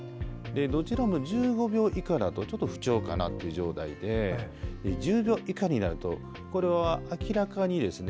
どちらも１５秒以下だとちょっと不調かなっていう状態で１０秒以下になるとこれは明らかにですね